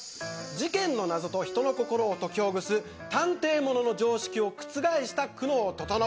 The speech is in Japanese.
事件の謎と人の心を解きほぐす探偵ものの常識を覆した久能整。